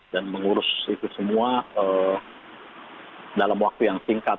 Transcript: dan mengurus itu semua dalam waktu yang singkat